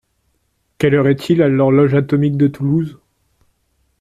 Quelle heure est-il à l’horloge atomique de Toulouse ?